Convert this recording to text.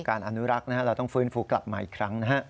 การอนุรักษ์นะครับเราต้องฟื้นฟุกกลับมาอีกครั้งนะครับ